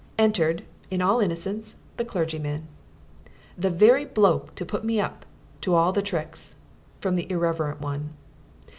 Entered, in all innocence, the clergyman. ("The very bloke to put me up to all the tricks!" from the irreverent one.)